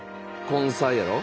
根菜やろ。